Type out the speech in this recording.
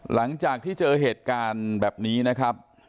หลังจากที่เจอเหตุการณ์แบบนี้นะครับ